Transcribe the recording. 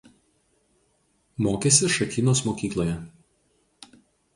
Mokėsi Šakynos mokykloje.